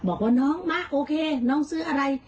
บอกว่าน้องมาโอเคน้องซื้ออะไร